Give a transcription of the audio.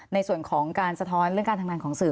ในส่วนของการสะท้อนเรื่องการทำงานของสื่อ